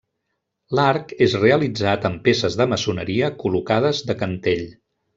L’arc és realitzat amb peces de maçoneria col·locades de cantell.